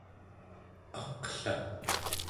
aqla